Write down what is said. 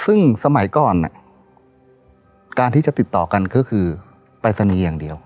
ซึ่งสมัยก่อนการที่จะติดต่อกันก็คือปรายศนีย์อย่างเดียว